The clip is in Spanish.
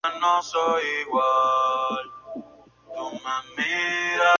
Sin embargo, fue alcanzando su propio protagonismo en el sector de la restauración.